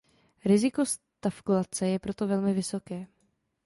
Riziko stagflace je proto velmi vysoké.